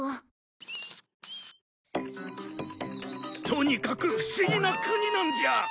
とにかく不思議な国なんじゃ！